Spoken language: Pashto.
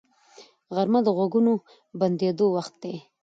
غرمه د غږونو بندیدو وخت دی